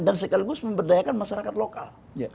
dan sekaligus memberdayakan masyarakat lokal